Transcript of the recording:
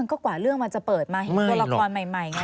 ก็กว่าเรื่องมันจะเปิดมาเห็นตัวละครใหม่ไง